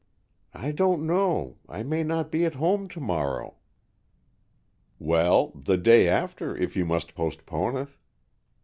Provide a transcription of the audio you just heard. "I don't know. I may not be at home to morrow." "Well, the day after, if you must postpone it."